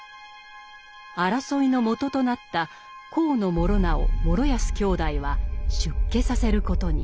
争いのもととなった高師直・師泰兄弟は出家させることに。